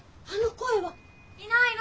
・いないの？